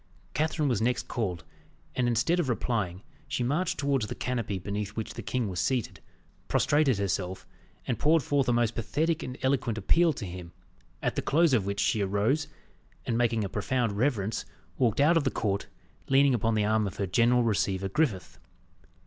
Catherine was next called, and instead of replying, she marched towards the canopy beneath which the king was seated, prostrated herself, and poured forth a most pathetic and eloquent appeal to him, at the close of which she arose, and making a profound reverence, walked out of the court, leaning upon the arm of her general receiver, Griffith.